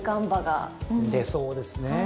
出そうですね。